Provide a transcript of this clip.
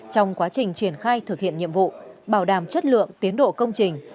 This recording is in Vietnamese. trong quá trình triển khai thực hiện nhiệm vụ bảo đảm chất lượng tiến độ công trình